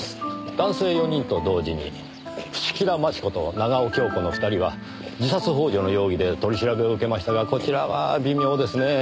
男性４人と同時に伏木田真智子と長尾恭子の２人は自殺幇助の容疑で取り調べを受けましたがこちらは微妙ですねぇ。